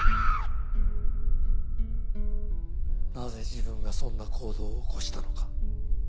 「なぜ自分がそんな行動を起こしたのか」